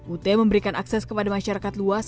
ut memberikan akses kepada masyarakat luas